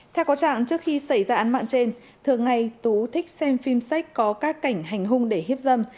theo có trạng trước khi xảy ra án mạng trên thường ngày tú thích xem phim sách có các cảnh hành hung để hiếp dâm